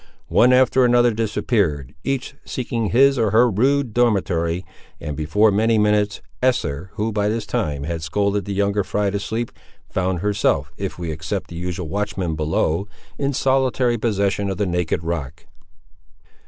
One after another disappeared, each seeking his or her rude dormitory; and, before many minutes, Esther, who by this time had scolded the younger fry to sleep, found herself, if we except the usual watchman below, in solitary possession of the naked rock.